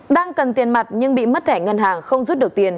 đang cần tiền mặt nhưng bị mất thẻ ngân hàng không rút được tiền